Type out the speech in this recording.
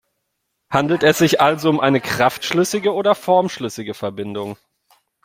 Handelt es sich also um eine kraftschlüssige oder formschlüssige Verbindung?